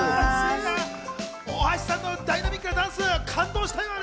大橋さんのダイナミックなダンス、感動したよね。